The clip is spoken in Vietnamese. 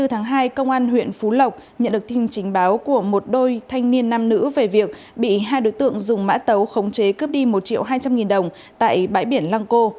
hai mươi tháng hai công an huyện phú lộc nhận được tin chính báo của một đôi thanh niên nam nữ về việc bị hai đối tượng dùng mã tấu khống chế cướp đi một triệu hai trăm linh nghìn đồng tại bãi biển lăng cô